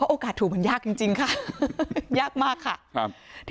เพราะโอกาสถูกมันยากจริงจริงค่ะยากมากค่ะครับ